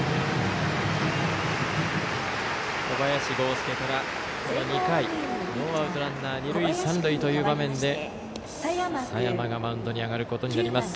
小林剛介から２回、ノーアウトランナー、二塁三塁という場面で佐山がマウンドに上がることになります。